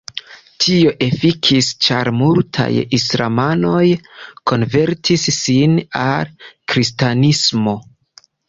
Tio "efikis" ĉar multaj islamanoj konvertis sin al kristanismo.